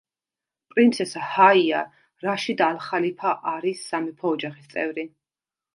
პრინცესა ჰაია რაშიდ ალ-ხალიფა არის სამეფო ოჯახის წევრი.